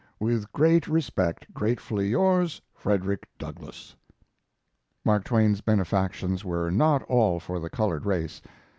With great respect, Gratefully yours, FREDERICK DOUGLASS. Mark Twain's benefactions were not all for the colored race.